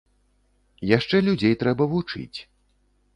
Яшчэ людзей трэба вучыць.